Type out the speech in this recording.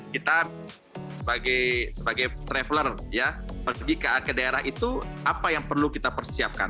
kita sebagai traveler pergi ke daerah itu apa yang perlu kita persiapkan